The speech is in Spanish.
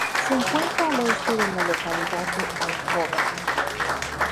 Se encuentra al este de la localidad de Alcover.